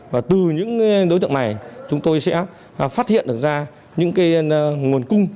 và từ những đối tượng này chúng tôi sẽ phát hiện được ra những nguồn cung